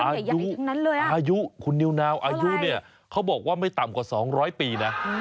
อายุคุณนิวนาวอายุเนี่ยเขาบอกว่าไม่ต่ำกว่า๒๐๐ปีนะ